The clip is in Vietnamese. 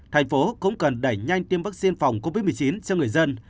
thành phố cũng cần đẩy nhanh tiêm vaccine phòng covid một mươi chín cho người dân